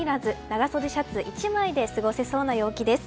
長袖シャツ１枚で過ごせそうな陽気です。